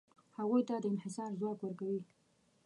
هغوی ته د انحصار ځواک ورکوي.